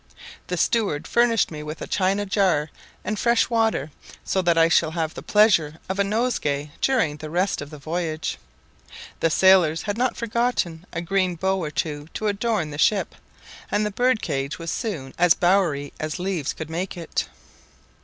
The steward furnished me with a china jar and fresh water, so that I shall have the pleasure of a nosegay during the rest of the voyage. The sailors had not forgotten a green bough or two to adorn the ship, and the bird cage was soon as bowery as leaves could make it.